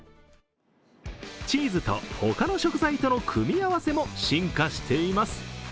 チーズと他の食材との組み合わせも進化しています。